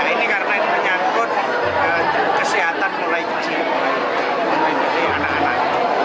ini karena ini menyangkut kesehatan mulai kecil